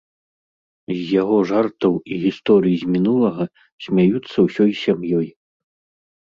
З яго жартаў і гісторый з мінулага смяюцца ўсёй сям'ёй.